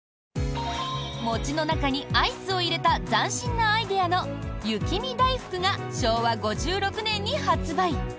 餅の中にアイスを入れた斬新なアイデアの雪見だいふくが昭和５６年に発売。